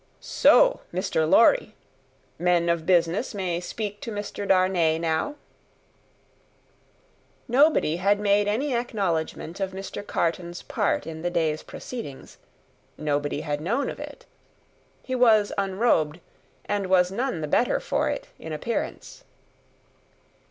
"So, Mr. Lorry! Men of business may speak to Mr. Darnay now?" Nobody had made any acknowledgment of Mr. Carton's part in the day's proceedings; nobody had known of it. He was unrobed, and was none the better for it in appearance.